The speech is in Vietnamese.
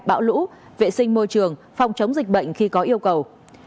bão lũ vệ sinh môi trường phòng chống dịch bệnh khi có yêu cầu